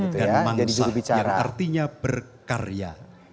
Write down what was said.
dan mangsa yang artinya berkarya